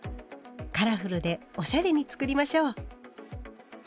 カラフルでおしゃれに作りましょう。